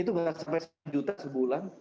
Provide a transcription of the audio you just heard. itu gak sampai satu juta sebulan